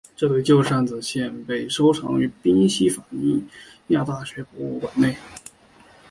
这对旧扇子现被收藏于宾夕法尼亚大学博物馆内。